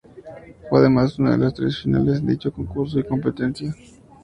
Fue además una de las tres finales en dicho concurso y competencia.